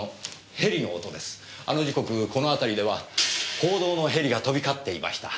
あの時刻この辺りでは報道のヘリが飛び交っていました。